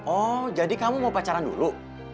oh jadi kamu mau pacaran dulu